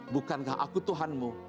bukankah aku tuhanmu